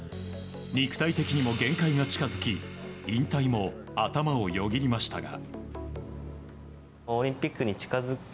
肉体的にも限界が近づき引退も頭をよぎりましたが。